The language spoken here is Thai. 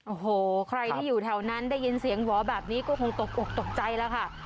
โอ้โหใครที่อยู่แถวนั้นได้ยินเสียงหวอแบบนี้ก็คงตกอกตกใจแล้วค่ะ